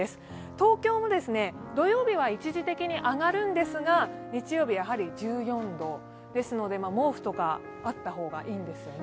東京も土曜日は一時的に上がるんですが、日曜日やはり１４度ですので、毛布とかあった方がいいんですよね。